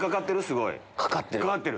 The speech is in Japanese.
すごい。かかってる。